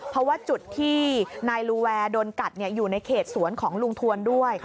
เพราะว่าจุดที่นายลูแวร์โดนกัดอยู่ในเขตสวนของลุงทวนด้วย